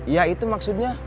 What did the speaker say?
ya itu maksudnya